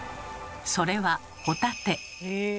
それはホタテ。